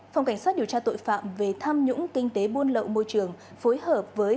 phòng cảnh sát điều tra tội phạm về tham nhũng kinh tế buôn lợi